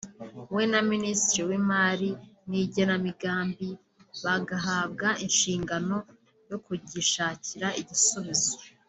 we na Minisitiri w’Imari n’Igenamigambi bagahabwa inshingano yo kugishakira igisubizo